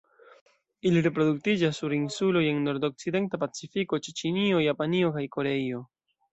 Ili reproduktiĝas sur insuloj en nordokcidenta Pacifiko ĉe Ĉinio, Japanio kaj Koreio.